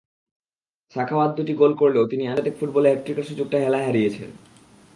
সাখাওয়াত দুটি গোল করলেও তিনি আন্তর্জাতিক ফুটবলে হ্যাটট্রিকের সুযোগটা হেলায় হারিয়েছেন।